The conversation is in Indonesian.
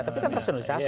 tapi kan rasionalisasi